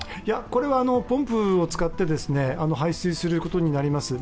これはポンプを使って排水することになります。